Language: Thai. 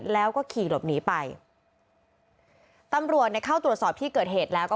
แล้วก็ขี่หลบหนีไปตำรวจเนี่ยเข้าตรวจสอบที่เกิดเหตุแล้วก็